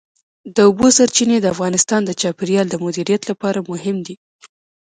د اوبو سرچینې د افغانستان د چاپیریال د مدیریت لپاره مهم دي.